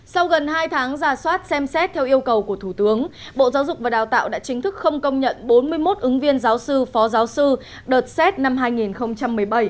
sau gần hai tháng giả soát xem xét theo yêu cầu của thủ tướng bộ giáo dục và đào tạo đã chính thức không công nhận bốn mươi một ứng viên giáo sư phó giáo sư đợt xét năm hai nghìn một mươi bảy